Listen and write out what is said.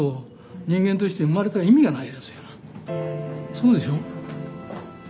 そうでしょ？